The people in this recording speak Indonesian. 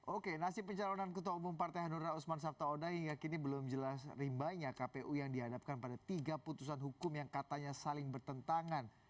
oke nasib pencalonan ketua umum partai hanura usman sabta oda hingga kini belum jelas rimbanya kpu yang dihadapkan pada tiga putusan hukum yang katanya saling bertentangan